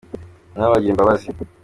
nabo bagira imbabazi.